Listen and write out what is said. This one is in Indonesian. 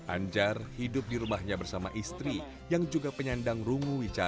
anjar hidup di rumahnya bersama istri yang juga penyandang rungu wicara